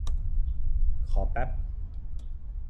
คอแป๊บ